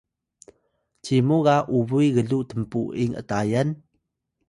cimu ga ubuy gluw tnpu’ing atayan?